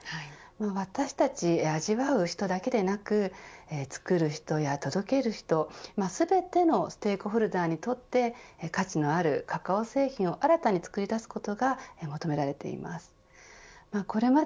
私たち味わう人だけでなく作る人や届ける人全てのステークホルダーにとって価値のあるカカオ製品を新たに作り出すことが求められています。